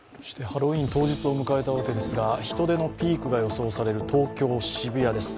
ハロウィーン当日を迎えたわけですが人でのピークが予想される東京・渋谷です。